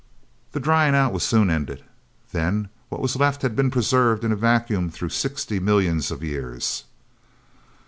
The drying out was soon ended. Then, what was left had been preserved in a vacuum through sixty millions of years.